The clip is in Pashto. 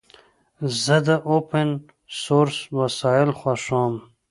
زه د اوپن سورس وسایل خوښوم.